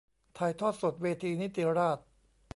ถ่ายทอดสดเวทีนิติราษฎร์